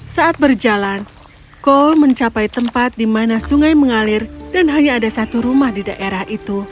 saat berjalan kol mencapai tempat di mana sungai mengalir dan hanya ada satu rumah di daerah itu